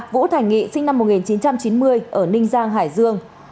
vũ thành nghị sinh năm một nghìn chín trăm chín mươi ở ninh giang hải dương